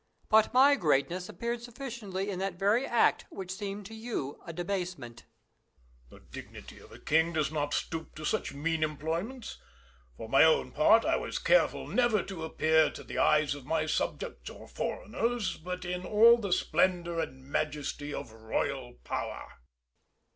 But my greatness appeared sufficiently in that very act which seemed to you a debasement. Louis. The dignity of a king does not stoop to such mean employments. For my own part, I was careful never to appear to the eyes of my subjects or foreigners but in all the splendour and majesty of royal power.